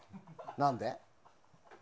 何で？